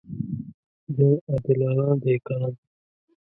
جنګ عادلانه دی کنه.